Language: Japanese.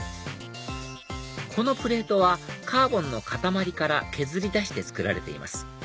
このプレートはカーボンの塊から削り出して作られています